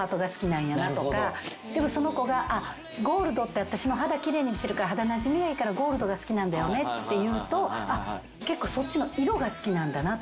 でもその子がゴールドって私の肌奇麗に見せるから肌なじみがいいからゴールドが好きなんだよねって言うと結構そっちの色が好きなんだなとか。